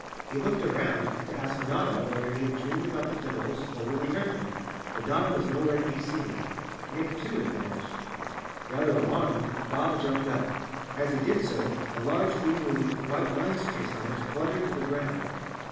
He looked around to ask Notta whether he had dreamed about the fiddles or really heard them, but Notta was nowhere to be seen. Nick, too, had vanished. Rather alarmed, Bob jumped up. As he did so a large green leaf with white lines traced on it fluttered to the ground.